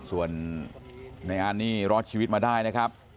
ส่วนในอันนี่รอดชีวิตมาได้นะครับ